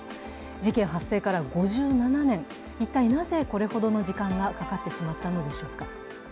事件発生から５７年、一体なぜこれほどの時間がかかってしまったのでしょうか。